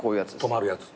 止まるやつ？